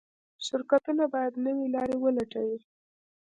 شرکتونه باید نوې لارې ولټوي.